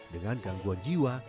dengan gangguan jiwa